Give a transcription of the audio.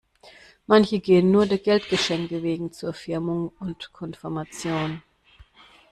Manche gehen nur der Geldgeschenke wegen zu Firmung und Konfirmation.